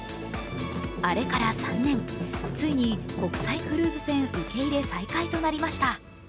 あれから３年、ついに国際クルーズ船受け入れ再開となりました。